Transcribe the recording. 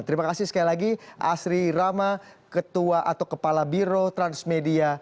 terima kasih sekali lagi asri rama ketua atau kepala biro transmedia